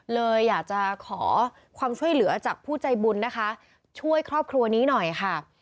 เลยอยากจะขอความช่วยเหลือจากผู้ใจบุญนะคะช่วยครอบครัวนี้หน่อยค่ะ